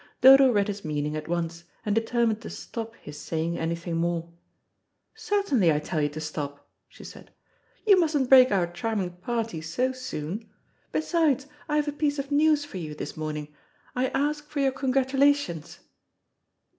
Dodo read his meaning at once, and determined to stop his saying anything more. "Certainly I tell you to stop," she said. "You mustn't break up our charming party so soon. Besides, I have a piece of news for you this morning. I ask for your congratulations."